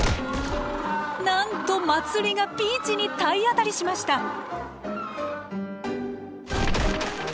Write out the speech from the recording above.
なんとまつりがピーチに体当たりしました。